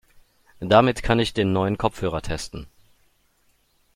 Damit kann ich den neuen Kopfhörer testen.